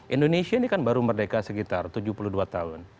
indonesia ini kan baru merdeka sekitar tujuh puluh dua tahun